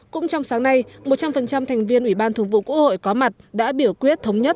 cũng trong sáng nay một trăm linh thành viên ủy ban thường vụ quốc hội có mặt đã biểu quyết thống nhất